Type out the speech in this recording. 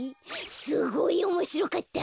すごいおもしろかった。